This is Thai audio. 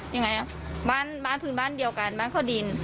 ยังไงบ้านพื้นบ้านเดียวกันบ้านเข้าดิน